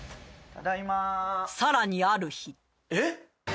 さらにある日えっ！